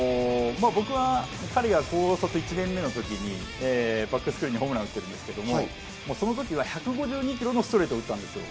彼が高卒１年目のときにバックスクリーンにホームランを打ってるんですけど、その時は１５２キロのストレートを打ったんです。